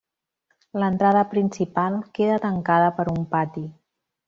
L'entrada principal queda tancada per un pati.